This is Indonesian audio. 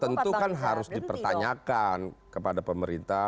tentu kan harus dipertanyakan kepada pemerintah